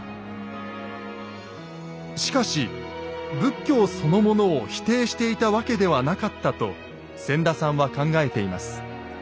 しかし仏教そのものを否定していたわけではなかったと千田さんは考えています。